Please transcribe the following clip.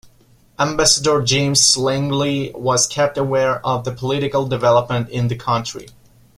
Ambassador James Langley was kept aware of the political development in the country.